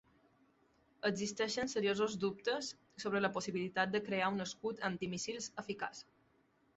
Existeixen seriosos dubtes sobre la possibilitat de crear un escut antimíssils eficaç.